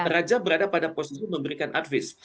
raja berada pada posisi memberikan advis